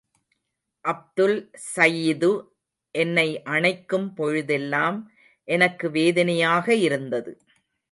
அப்துல் சையிது என்னை அணைக்கும் பொழுதெல்லாம் எனக்கு வேதனையாக இருந்தது.